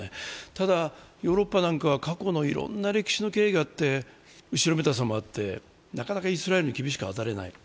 ただ、ヨーロッパなんかは過去のいろんな歴史の経緯もあって、後ろめたさもあって、なかなかイスラエルに厳しく当たれない。